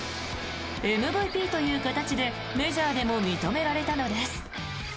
ＭＶＰという形でメジャーでも認められたのです。